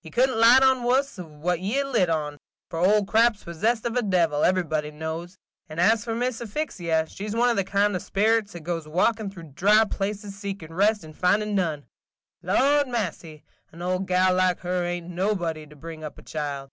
Ye could n't light on wus than ye have lit on, – for Old Crab's possessed of a devil, everybody knows; and as for Miss Asphyxia, she 's one of the kind of sperits that goes walkin' through dry places seekin' rest and findin' none. Lordy massy, an old gal like her ain't nobody to bring up a child.